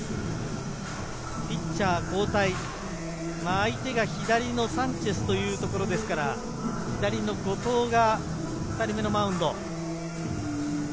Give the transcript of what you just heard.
相手が左のサンチェスというところですから、左の後藤が２人目のマウンド。